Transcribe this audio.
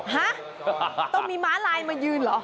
ฮะต้องมีม้าลายมายืนเหรอ